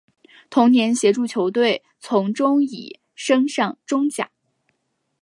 同年协助球队从中乙升上中甲。